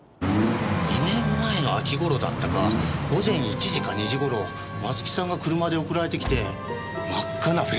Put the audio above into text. ２年前の秋頃だったか午前１時か２時頃松木さんが車で送られてきて真っ赤なフェラーリでした。